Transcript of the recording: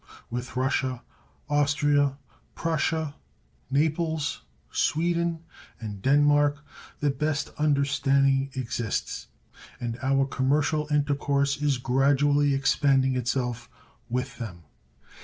With Russia, Austria, Prussia, Naples, Sweden, and Denmark the best understanding exists, and our commercial intercourse is gradually expanding itself with them.